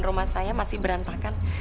rumah saya masih berantakan